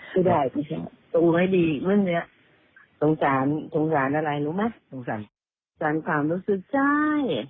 ก็ได้สิต้องรู้ให้ดีเมื่อนี้ต้องสรรความรู้สึกใจ